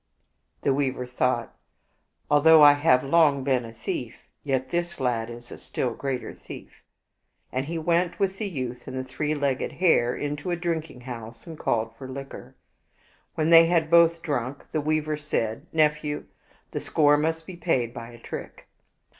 The weaver thought, " Although I have long been a thief, yet this lad is a still greater thief." And he went with the youth and the three legged hare into a drinking house and called for liquor. When they had both drunk, the weaver said, " Nephew, the score must be paid by a trick."